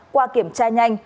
qua kiểm tra nhanh